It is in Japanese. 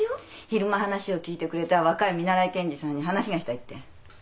「昼間話を聞いてくれた若い見習い検事さんに話がしたい」って。